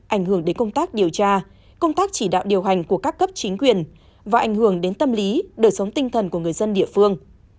ảnh hưởng đến công tác điều tra công tác chỉ đạo điều hành của các cấp chính quyền và ảnh hưởng đến tâm lý đời sống tinh thần của người dân địa phương